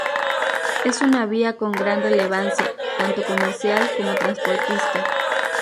Es una vía con gran relevancia, tanto comercial como transportista.